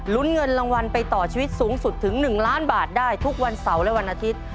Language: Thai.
เงินรางวัลไปต่อชีวิตสูงสุดถึง๑ล้านบาทได้ทุกวันเสาร์และวันอาทิตย์